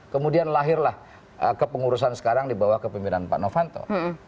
kemudian lahirlah kepengurusan sekarang di bawah kepemimpinan pak novanto